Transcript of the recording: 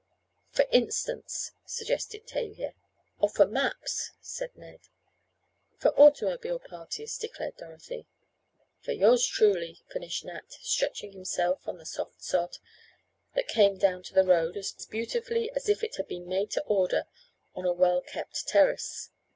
"For instance," suggested Tavia. "Or for maps," said Ned. "For automobile parties," declared Dorothy. "For yours truly," finished Nat, stretching himself on the soft sod, that came down to the road as beautifully as if it had been made to order on a well kept terrace.